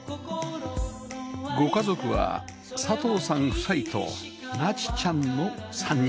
ご家族は佐藤さん夫妻と梛千ちゃんの３人